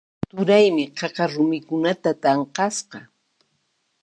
Turaymi qaqa rumikunata tanqasqa.